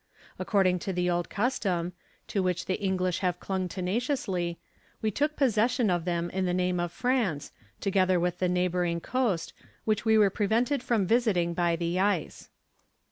According to the old custom to which the English have clung tenaciously we took possession of them in the name of France, together with the neighbouring coast, which we were prevented from visiting by the ice.